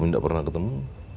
saya sudah pernah ketemu